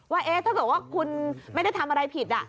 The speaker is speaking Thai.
ว่าถ้าเกิดว่าคุณไม่ได้ทำอะไรผิด